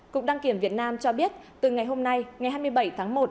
cục đăng kiểm việt nam cho biết từ ngày hôm nay ngày hai mươi bảy tháng một